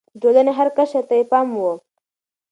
د ټولنې هر قشر ته يې پام و.